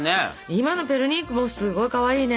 今のペルニークもすごいかわいいね。